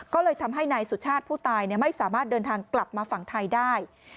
ก็เลยทำให้นายสุชาติผู้ตายไม่สามารถเดินทางกลับมาฝั่งไทยได้